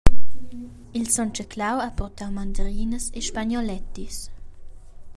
Il Sontgaclau ha purtau mandarinas e spagnolettis.